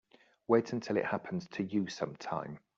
Wait until it happens to you sometime.